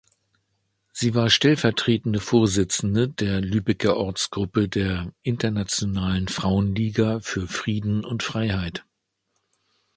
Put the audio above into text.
Sie war stellvertretende Vorsitzende der Lübecker Ortsgruppe der "Internationalen Frauenliga für Frieden und Freiheit".